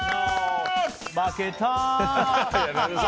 負けたー！